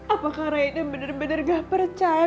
apakah raina bener bener gak percaya